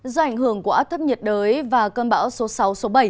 do ảnh hưởng của áp thấp nhiệt đới và cơn bão số sáu số bảy